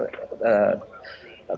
dan akhirnya sebagian besar